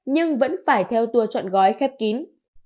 nhưng vẫn phải theo tour chọn gói khép kín